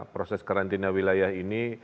proses karantina wilayah ini